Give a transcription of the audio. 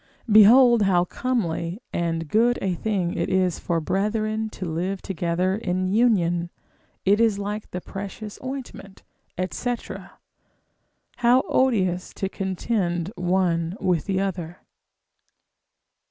Behold how comely and good a thing it is for brethren to live together in union: it is like the precious ointment, &c. How odious to contend one with the other!